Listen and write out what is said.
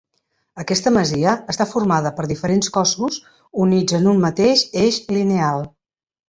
Aquesta masia està formada per diferents cossos units en un mateix eix lineal.